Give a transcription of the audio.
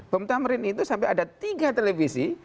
bom tamrin itu sampai ada tiga televisi